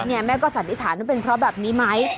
แม่ก็สันนิษฐานว่าเป็นเพราะแบบนี้ไหม